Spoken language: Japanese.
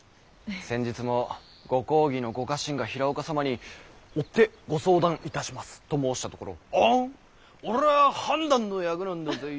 先日もご公儀のご家臣が平岡様に「追ってご相談いたします」と申したところ「はぁ？俺は判断の役なんだぜぃ。